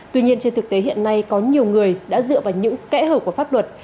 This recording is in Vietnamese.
tuy nhiên trên thực tế hiện nay có nhiều người đã dựa vào những kẽ hở của pháp luật